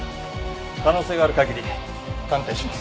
可能性がある限り鑑定します。